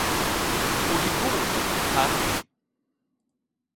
Og i går vart eg ferdig.